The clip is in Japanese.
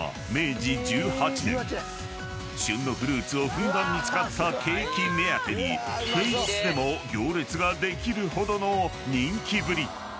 ［旬のフルーツをふんだんに使ったケーキ目当てに平日でも行列ができるほどの人気ぶり］